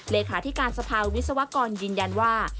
เลขาธิการสภาวิศวกรยืนยันว่า